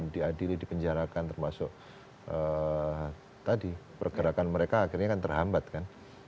diadili dipenjarakan termasuk tadi pergerakan mereka akhirnya kan terhambat kan